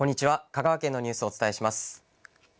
香川県のニュースをお伝えします。